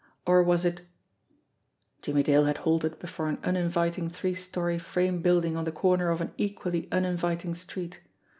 Or was it Jimmie Dale had halted before an uninviting three story frame building on the corner of an equally uninviting street.